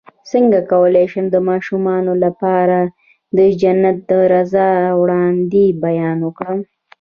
څنګه کولی شم د ماشومانو لپاره د جنت د رضا وړاندې بیان کړم